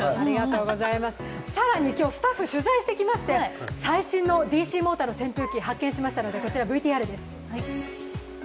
更に今日、スタッフ取材してきまして最新のＤＣモーターの扇風機発見しましたのでこちら、ＶＴＲです。